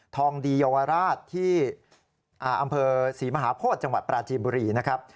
ทองดีเยาวราชที่อำเภอศรีมหาโพธิจังหวัดปราจีนบุรีนะครับ